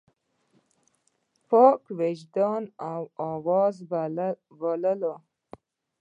پاک وجدان آواز وباله.